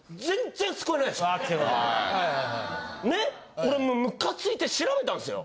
俺もうムカついて調べたんすよ。